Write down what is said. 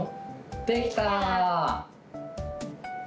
できた！